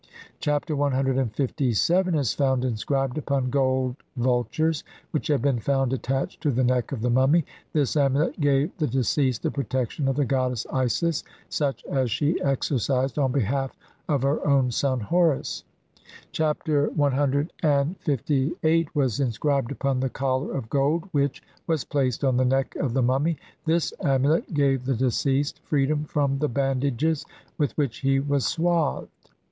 Chapter CLVII is found inscribed upon gold vultures which have been found attached to the neck of the mummy ; this amulet gave the deceased the protection of the goddess Isis such as she exercised on behalf of her own son Horus. Chap ter CLVIII was inscribed upon the collar of gold which was placed on the neck of the mummy ; this amulet gave the deceased freedom from the bandages with which he was swathed.